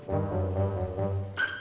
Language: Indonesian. selamat datang di parkiran kami